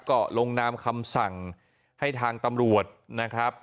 ก็ลงนามคำสั่งให้ทางตำรวจนะครับ